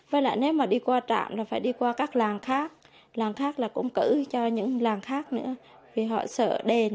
với lại nếu mà đi qua trạm là phải đi qua các làng khác làng khác là cũng cỡ cho những làng khác nữa vì họ sợ đền